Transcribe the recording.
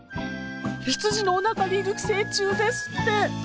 羊のおなかにいる寄生虫ですって！